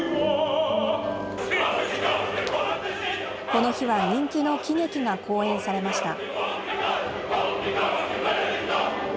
この日は人気の喜劇が公演されました。